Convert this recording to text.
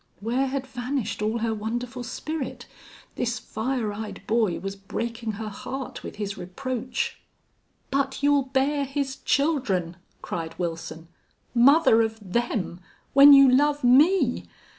Where had vanished all her wonderful spirit? This fire eyed boy was breaking her heart with his reproach. "But you'll bear his children," cried Wilson. "Mother of them when you love me!...